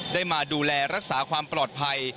ได้มาดูแลรักษาความปลอดภัย